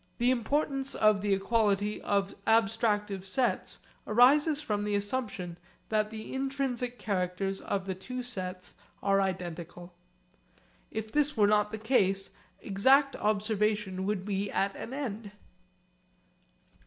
The importance of the equality of abstractive sets arises from the assumption that the intrinsic characters of the two sets are identical. If this were not the case exact observation would be at an end.